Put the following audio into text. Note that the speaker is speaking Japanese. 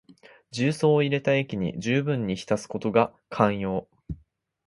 重曹を入れた液にじゅうぶんに浸すことが肝要。